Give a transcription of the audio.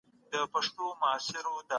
چپيانو په هېواد کې نظامي کودتا وکړه.